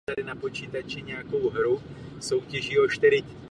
Já mám k oběma záležitostem jednu otázku.